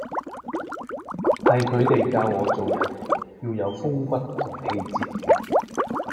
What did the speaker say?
係佢哋教我做人要有風骨同氣節⠀